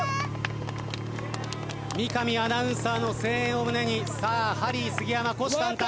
三上アナウンサーの声援を胸にハリー杉山虎視眈々